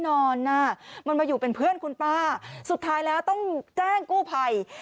นอนน่ะมันมาอยู่เป็นเพื่อนคุณป้าสุดท้ายแล้วต้องแจ้งกู้ภัย